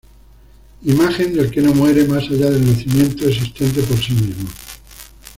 Imagen del que no muere, más allá del nacimiento, existente por sí mismo.